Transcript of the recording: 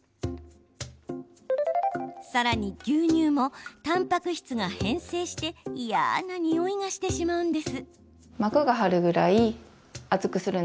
さらに、牛乳もたんぱく質が変性して嫌なにおいがしてしまうんです。